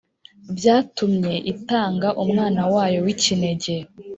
byatumye itanga Umwana wayo w'ikinege,